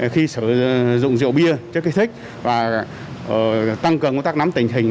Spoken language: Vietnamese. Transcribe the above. khi sử dụng rượu bia chất kích thích và tăng cường công tác nắm tình hình